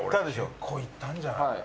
結構いったんじゃない？